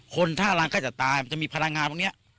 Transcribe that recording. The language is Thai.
ท่ารังก็จะตายมันจะมีพลังงานพวกนี้